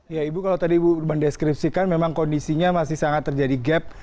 ya ibu kalau tadi ibu mendeskripsikan memang kondisinya masih sangat terjadi gap